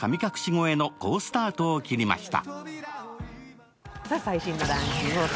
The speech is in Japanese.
超えの好スタートを切りました。